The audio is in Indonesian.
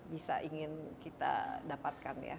bisa ingin kita dapatkan ya